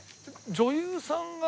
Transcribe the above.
女優さんが？